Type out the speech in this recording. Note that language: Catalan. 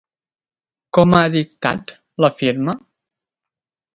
Com ha dictat la firma?